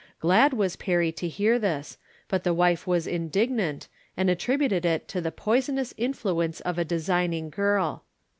Glad was Perry to hear this, but his wife was in dignant, and attributed it to the poisonous influ ence of a designing girl.